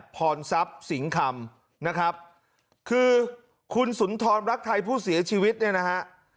พรทรัพย์สิงคำนะครับคือคุณสุนทรรักไทยผู้เสียชีวิตเนี่ยนะฮะ